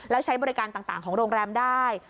แล้วใช้บริการต่างของโรงแรมได้